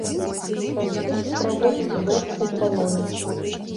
Францыск праводзіць год у палоне.